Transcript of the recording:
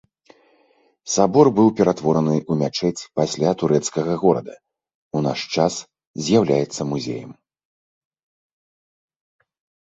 Сабор быў пераўтвораны ў мячэць пасля турэцкага горада, у наш час з'яўляецца музеем.